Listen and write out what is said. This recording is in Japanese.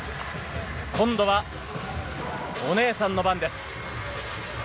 今度はお姉さんの番です。